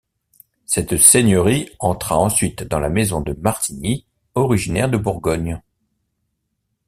Cette seigneurie entra ensuite dans la maison de Martigny, originaire de Bourgogne.